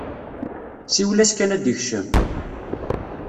Siwel-as kan ad d-ikcem!